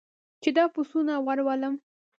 چې دا پسونه ور ولم.